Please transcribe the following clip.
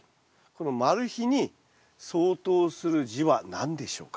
このマル秘に相当する字は何でしょうか？